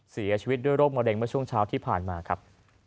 เสียชีวิตด้วยโรคมะเร็งเมื่อช่วงเช้าที่ผ่านมาครับ